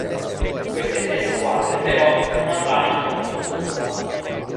Queste tre squadre, però, non avranno molto futuro.